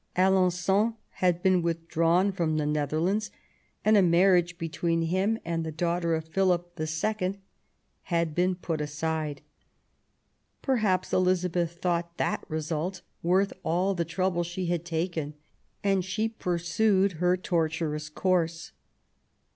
Alen9on had been withdrawn from the Netherlands, and a marriage between him and the daughter of Philip II. had been put aside. Perhaps Elizabeth thought that result worth all the trouble she had taken ; and she pursued her tortuous course. THE ALENQON MARRIAGE.